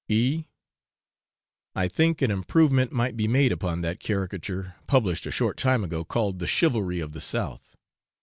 E , I think an improvement might be made upon that caricature published a short time ago, called the 'Chivalry of the South.'